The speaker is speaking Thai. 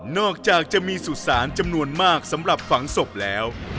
จากจะมีสุสานจำนวนมากสำหรับฝังศพแล้ว